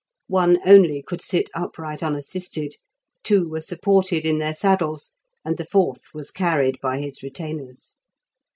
One only could sit upright unassisted, two were supported in their saddles, and the fourth was carried by his retainers.